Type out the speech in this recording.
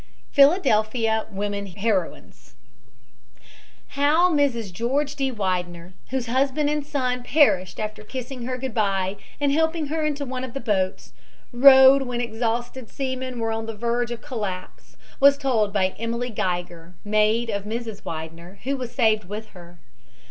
PHILADELPHIA WOMEN HEROINES How Mrs. George D. Widener, whose husband and son perished after kissing her good bye and helping her into one of the boats, rowed when exhausted seamen were on the verge of collapse, was told by Emily Geiger, maid of Mrs. Widener, who was saved with her.